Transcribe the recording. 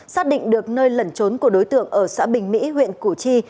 xác định được nơi lẩn trốn của đối tượng ở xã bình mỹ huyện củ chi